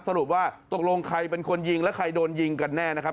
สรุปว่าตกลงใครเป็นคนยิงและใครโดนยิงกันแน่นะครับ